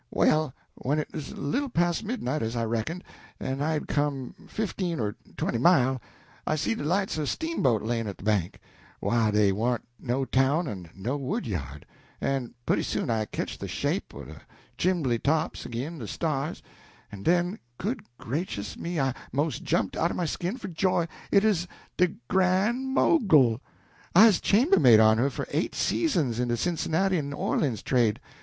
Well, when it 'uz a little pas' midnight, as I reckoned, en I had come fifteen or twenty mile, I see de lights o' a steamboat layin' at de bank, whah dey warn't no town en no woodyard, en putty soon I ketched de shape o' de chimbly tops ag'in' de stars, en den good gracious me, I 'most jumped out o' my skin for joy! It 'uz de Gran' Mogul I 'uz chambermaid on her for eight seasons in de Cincinnati en Orleans trade.